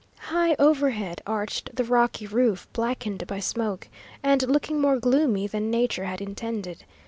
High overhead arched the rocky roof, blackened by smoke, and looking more gloomy than nature had intended.